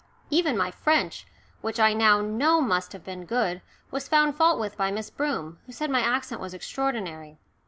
Even my French, which I now know must have been good, was found fault with by Miss Broom, who said my accent was extraordinary.